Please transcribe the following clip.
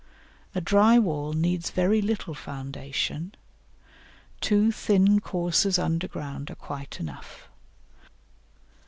A dry wall needs very little foundation; two thin courses underground are quite enough.